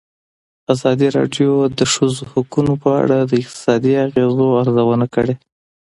ازادي راډیو د د ښځو حقونه په اړه د اقتصادي اغېزو ارزونه کړې.